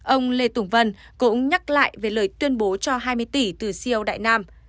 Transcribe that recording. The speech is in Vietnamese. ông lê tùng vân cũng nhắc lại về lời tuyên bố cho hai mươi tỷ từ ceo đại nam